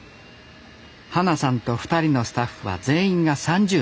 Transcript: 花さんと２人のスタッフは全員が３０代。